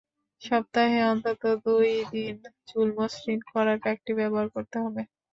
সপ্তাহে অন্তত দুই দিন চুল মসৃণ করার প্যাকটি ব্যবহার করতে হবে।